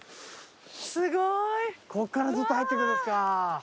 すごい！こっからずっと入ってくんですか。